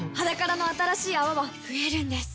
「ｈａｄａｋａｒａ」の新しい泡は増えるんです